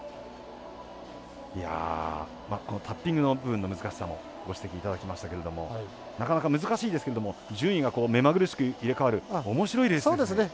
このタッピングの部分の難しさもご指摘いただきましたけれどもなかなか難しいですけれども順位が目まぐるしく入れ代わるおもしろいレースですね。